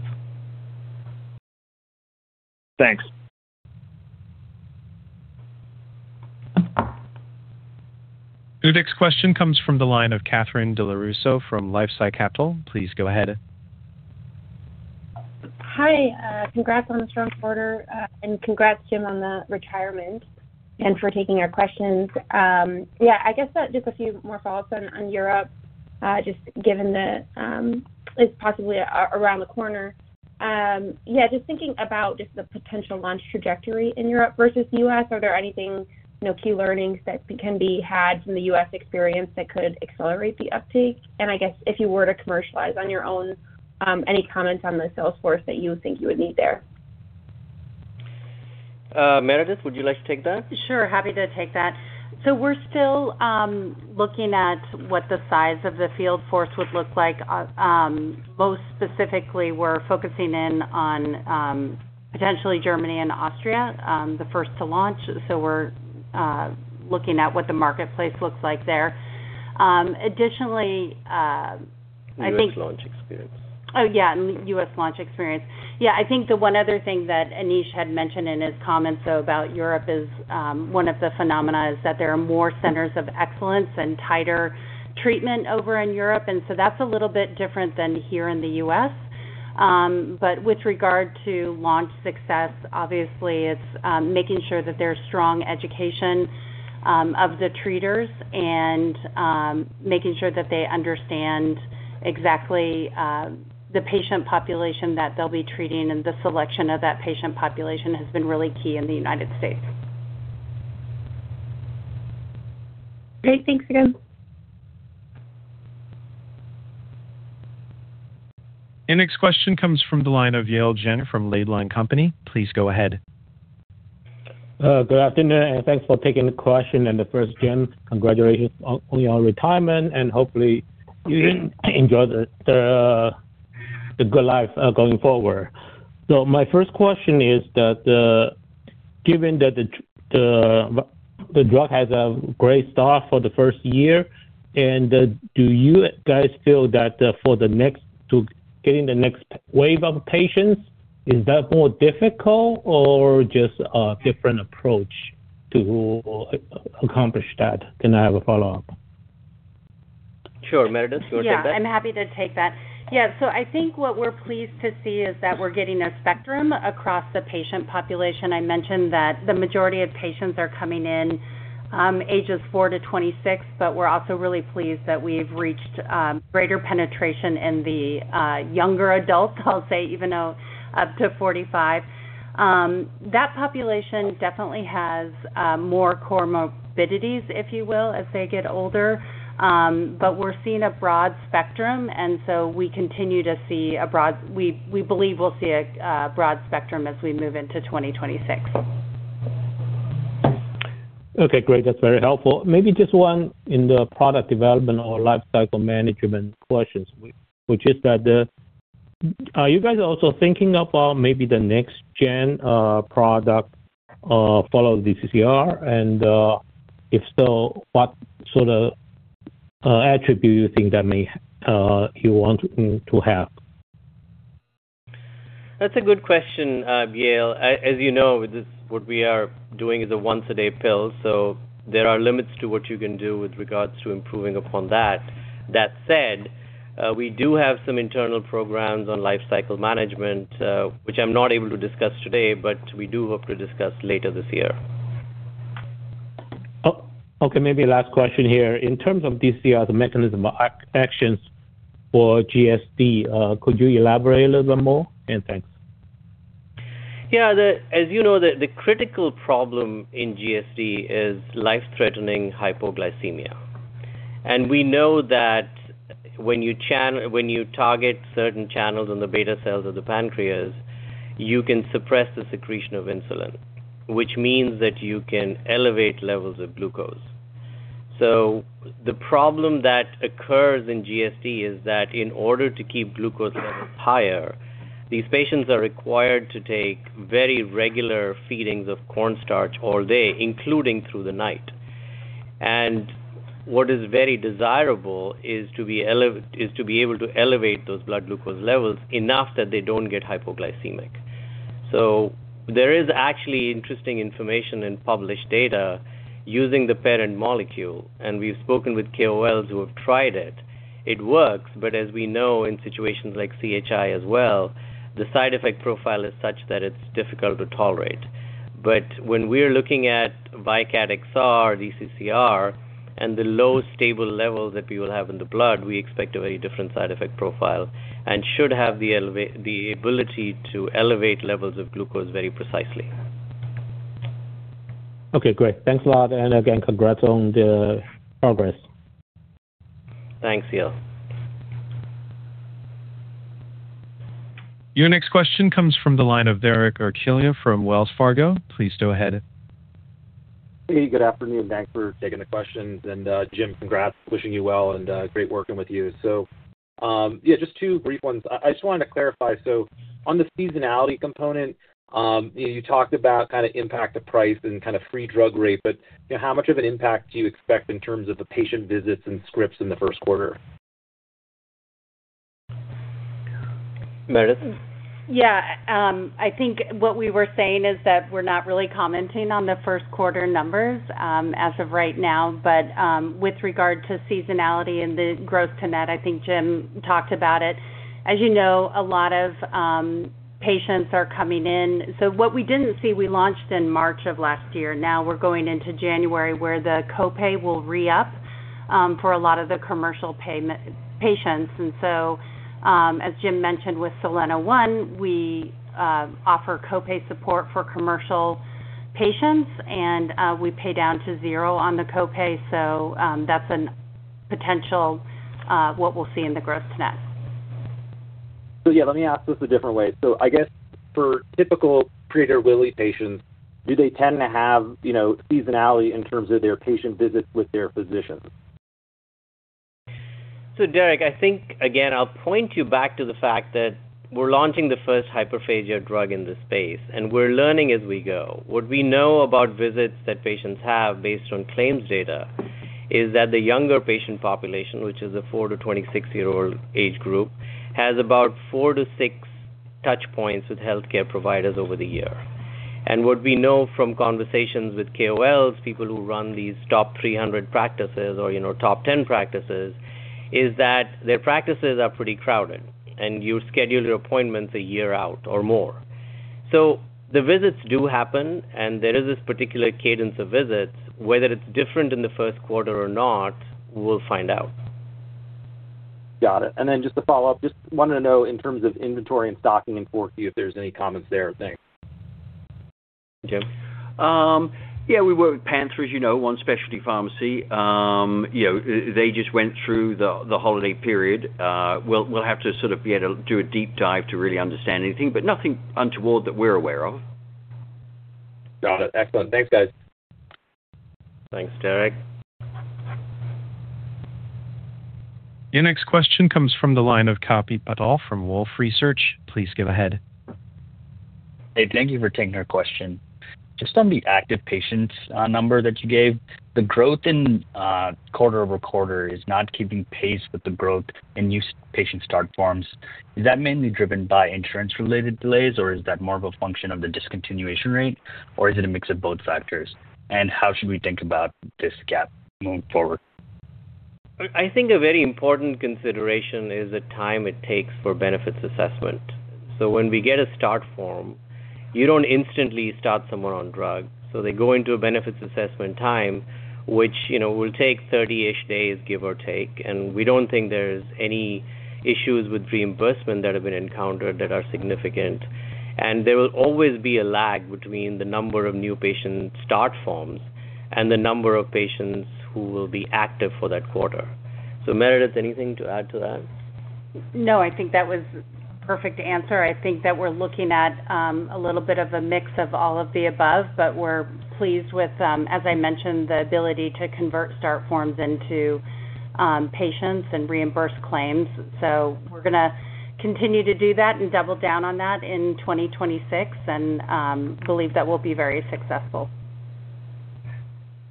Speaker 13: Thanks.
Speaker 1: The next question comes from the line of Katherine Delloruso from LifeSci Capital. Please go ahead.
Speaker 14: Hi, congrats on the strong quarter, and congrats, Jim, on the retirement and for taking our questions. Yeah, I guess, just a few more follows on Europe, just given the, it's possibly around the corner. Yeah, just thinking about just the potential launch trajectory in Europe versus U.S., are there anything, you know, key learnings that can be had from the U.S. experience that could accelerate the uptake? I guess if you were to commercialize on your own, any comments on the sales force that you think you would need there?
Speaker 3: Meredith, would you like to take that?
Speaker 4: Sure, happy to take that. We're still looking at what the size of the field force would look like. Most specifically, we're focusing in on potentially Germany and Austria, the first to launch, so we're looking at what the marketplace looks like there.
Speaker 3: U.S. launch experience.
Speaker 4: Yeah, U.S. launch experience. I think the one other thing that Anish had mentioned in his comments, though, about Europe is one of the phenomena is that there are more centers of excellence and tighter treatment over in Europe, that's a little bit different than here in the U.S. With regard to launch success, obviously, it's making sure that there's strong education of the treaters and making sure that they understand exactly the patient population that they'll be treating, and the selection of that patient population has been really key in the United States.
Speaker 14: Great, thanks again.
Speaker 2: Next question comes from the line of Yale Jen from Laidlaw and Company. Please go ahead.
Speaker 15: Good afternoon, thanks for taking the question. First, Jim, congratulations on your retirement, and hopefully you enjoy the good life going forward. My first question is that given that the drug has a great start for the first year, and do you guys feel that for the next, to getting the next wave of patients, is that more difficult or just a different approach to accomplish that? I have a follow-up.
Speaker 3: Sure. Meredith, do you want to take that?
Speaker 4: Yeah, I'm happy to take that. I think what we're pleased to see is that we're getting a spectrum across the patient population. I mentioned that the majority of patients are coming in, ages four to 26, but we're also really pleased that we've reached greater penetration in the younger adults, I'll say, even though up to 45. That population definitely has more comorbidities, if you will, as they get older. We're seeing a broad spectrum, and so we continue to see a broad. We believe we'll see a broad spectrum as we move into 2026.
Speaker 15: Okay, great. That's very helpful. Maybe just one in the product development or lifecycle management questions, which is that, are you guys also thinking about maybe the next gen, product, follow DCCR? If so, what sort of, attribute you think that may, you want to have?
Speaker 3: That's a good question, Yale. As you know, this, what we are doing is a once-a-day pill, so there are limits to what you can do with regards to improving upon that. That said, we do have some internal programs on lifecycle management, which I'm not able to discuss today, but we do hope to discuss later this year.
Speaker 15: Okay, maybe last question here. In terms of DCCR, the mechanism of actions for GSD I, could you elaborate a little bit more? Thanks.
Speaker 3: Yeah. The, as you know, the critical problem in GSD I is life-threatening hypoglycemia. We know that when you target certain channels in the beta cells of the pancreas, you can suppress the secretion of insulin, which means that you can elevate levels of glucose. The problem that occurs in GSD I is that in order to keep glucose levels higher, these patients are required to take very regular feedings of cornstarch all day, including through the night. What is very desirable is to be able to elevate those blood glucose levels enough that they don't get hypoglycemic. There is actually interesting information and published data using the parent molecule, and we've spoken with KOLs who have tried it. It works, as we know, in situations like CHI as well, the side effect profile is such that it's difficult to tolerate. When we're looking at VYKAT XR, DCCR, and the low stable levels that we will have in the blood, we expect a very different side effect profile and should have the ability to elevate levels of glucose very precisely.
Speaker 15: Okay, great. Thanks a lot, and again, congrats on the progress.
Speaker 3: Thanks, Yale.
Speaker 2: Your next question comes from the line of Derek Archila from Wells Fargo. Please go ahead.
Speaker 16: Good afternoon. Thanks for taking the questions. Jim, congrats. Wishing you well, and great working with you. Yeah, just two brief ones. I just wanted to clarify. On the seasonality component, you talked about kind of impact of price and kind of free drug rate, but, you know, how much of an impact do you expect in terms of the patient visits and scripts in the first quarter?
Speaker 3: Meredith?
Speaker 4: Yeah, I think what we were saying is that we're not really commenting on the first quarter numbers as of right now. With regard to seasonality and the growth to net, I think Jim talked about it. As you know, a lot of patients are coming in. What we didn't see, we launched in March of last year. Now we're going into January, where the copay will re-up for a lot of the commercial payment patients. As Jim mentioned, with Soleno One, we offer copay support for commercial patients, and we pay down to zero on the copay. That's an potential what we'll see in the growth net.
Speaker 16: Yeah, let me ask this a different way. I guess for typical Prader-Willi patients, do they tend to have, you know, seasonality in terms of their patient visits with their physicians?
Speaker 3: Derek, I think, again, I'll point you back to the fact that we're launching the first hyperphagia drug in this space, and we're learning as we go. What we know about visits that patients have based on claims data is that the younger patient population, which is a four to 26-year-old age group, has about four to six touch points with healthcare providers over the year. What we know from conversations with KOLs, people who run these top 300 practices or, you know, top 10 practices, is that their practices are pretty crowded, and you schedule your appointments a year out or more. The visits do happen, and there is this particular cadence of visits. Whether it's different in the first quarter or not, we'll find out.
Speaker 16: Got it. Just to follow up, just wanted to know in terms of inventory and stocking and forecast, if there's any comments there. Thanks.
Speaker 3: Jim.
Speaker 5: Yeah, we work with PANTHERx Rare, you know, one specialty pharmacy. You know, they just went through the holiday period. We'll have to sort of be able to do a deep dive to really understand anything, but nothing untoward that we're aware of.
Speaker 16: Got it. Excellent. Thanks, guys.
Speaker 3: Thanks, Derek.
Speaker 1: Your next question comes from the line of Kalpit Patel from Wolfe Research. Please go ahead.
Speaker 17: Hey, thank you for taking our question. Just on the active patients, number that you gave, the growth in quarter-over-quarter is not keeping pace with the growth in new patient start forms. Is that mainly driven by insurance-related delays, or is that more of a function of the discontinuation rate, or is it a mix of both factors? How should we think about this gap moving forward?
Speaker 3: I think a very important consideration is the time it takes for benefits assessment. When we get a start form, you don't instantly start someone on drug. They go into a benefits assessment time, which, you know, will take 30-ish days, give or take. We don't think there's any issues with reimbursement that have been encountered that are significant. There will always be a lag between the number of new patient start forms and the number of patients who will be active for that quarter. Meredith, anything to add to that?
Speaker 4: I think that was a perfect answer. I think that we're looking at a little bit of a mix of all of the above, but we're pleased with, as I mentioned, the ability to convert start forms into patients and reimburse claims. We're gonna continue to do that and double down on that in 2026 and believe that we'll be very successful.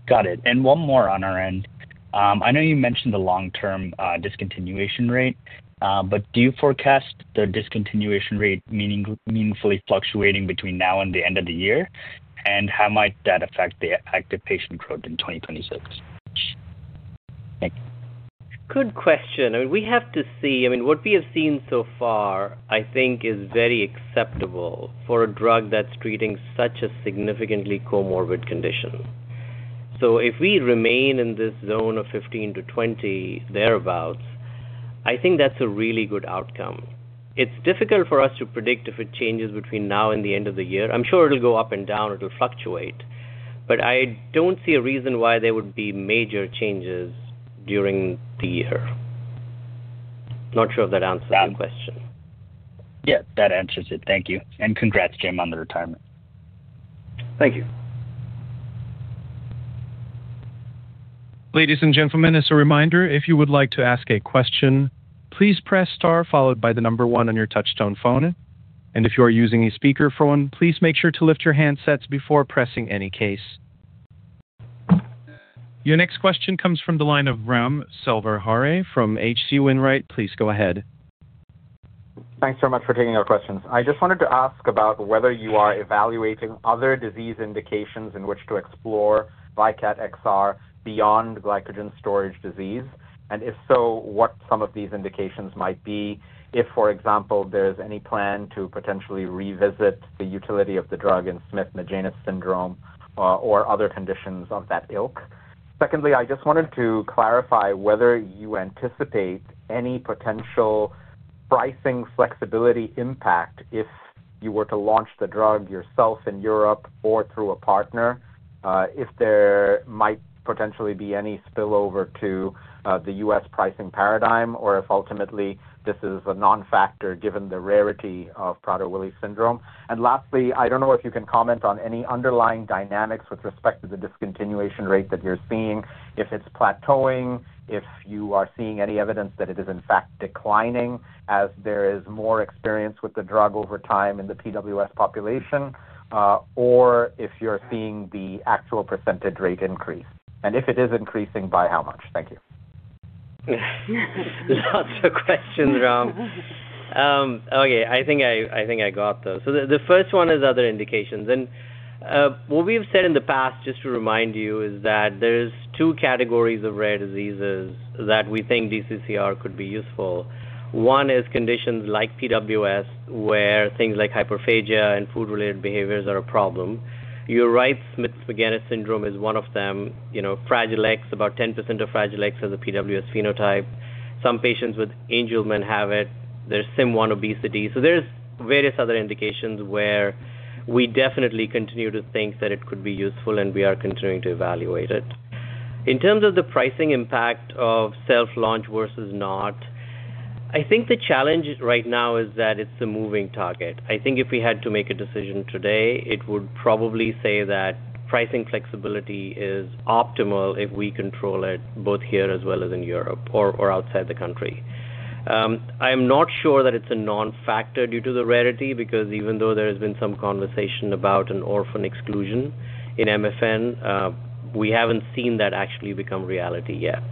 Speaker 17: Got it. One more on our end. I know you mentioned the long-term discontinuation rate, but do you forecast the discontinuation rate meaningfully fluctuating between now and the end of the year? How might that affect the active patient growth in 2026? Thank you.
Speaker 3: Good question. I mean, we have to see. I mean, what we have seen so far, I think, is very acceptable for a drug that's treating such a significantly comorbid condition. If we remain in this zone of 15-20, thereabout, I think that's a really good outcome. It's difficult for us to predict if it changes between now and the end of the year. I'm sure it'll go up and down, it'll fluctuate, but I don't see a reason why there would be major changes during the year. Not sure if that answers your question.
Speaker 17: Yeah, that answers it. Thank you. Congrats, Jim, on the retirement.
Speaker 5: Thank you.
Speaker 1: Ladies and gentlemen, as a reminder, if you would like to ask a question, please press star followed by one on your touch-tone phone. If you are using a speakerphone, please make sure to lift your handsets before pressing any case. Your next question comes from the line of Ram Selvaraju from H.C. Wainwright. Please go ahead.
Speaker 18: Thanks so much for taking our questions. I just wanted to ask about whether you are evaluating other disease indications in which to explore VYKAT XR beyond glycogen storage disease, and if so, what some of these indications might be. If, for example, there's any plan to potentially revisit the utility of the drug in Smith-Magenis syndrome or other conditions of that ilk. Secondly, I just wanted to clarify whether you anticipate any potential pricing flexibility impact if you were to launch the drug yourself in Europe or through a partner, if there might potentially be any spillover to the U.S. pricing paradigm or if ultimately this is a non-factor given the rarity of Prader-Willi syndrome. Lastly, I don't know if you can comment on any underlying dynamics with respect to the discontinuation rate that you're seeing. If it's plateauing, if you are seeing any evidence that it is in fact declining as there is more experience with the drug over time in the PWS population, or if you're seeing the actual percentage rate increase, and if it is increasing by how much? Thank you.
Speaker 3: Lots of questions, Ram. Okay, I think I got those. The first one is other indications. What we've said in the past, just to remind you, is that there's two categories of rare diseases that we think DCCR could be useful. One is conditions like PWS, where things like hyperphagia and food-related behaviors are a problem. You're right, Smith-Magenis syndrome is one of them, you know, Fragile X, about 10% of Fragile X are the PWS phenotype. Some patients with Angelman have it. There's SIM1 obesity. There's various other indications where we definitely continue to think that it could be useful, and we are continuing to evaluate it. In terms of the pricing impact of self-launch versus not, I think the challenge right now is that it's a moving target. I think if we had to make a decision today, it would probably say that pricing flexibility is optimal if we control it both here as well as in Europe or outside the country. I'm not sure that it's a non-factor due to the rarity, because even though there has been some conversation about an orphan exclusion in MFN, we haven't seen that actually become reality yet.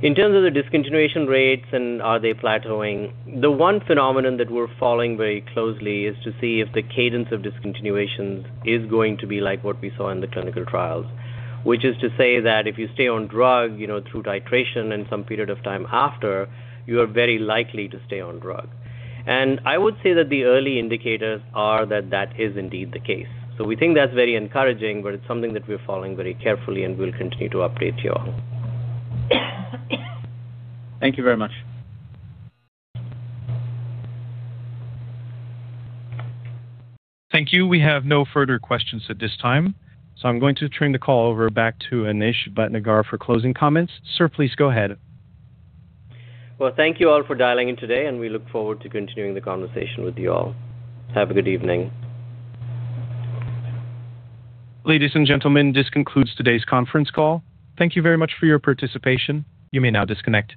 Speaker 3: In terms of the discontinuation rates and are they plateauing? The one phenomenon that we're following very closely is to see if the cadence of discontinuations is going to be like what we saw in the clinical trials. Which is to say that if you stay on drug, you know, through titration and some period of time after, you are very likely to stay on drug. I would say that the early indicators are that that is indeed the case. We think that's very encouraging, but it's something that we're following very carefully and will continue to update you all.
Speaker 18: Thank you very much.
Speaker 1: Thank you. We have no further questions at this time. I'm going to turn the call over back to Anish Bhatnagar for closing comments. Sir, please go ahead.
Speaker 3: Well, thank you all for dialing in today, and we look forward to continuing the conversation with you all. Have a good evening.
Speaker 1: Ladies and gentlemen, this concludes today's conference call. Thank you very much for your participation. You may now disconnect.